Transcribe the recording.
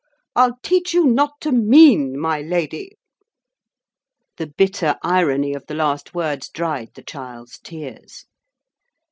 I'll teach you not to mean, my lady.' The bitter irony of the last words dried the child's tears.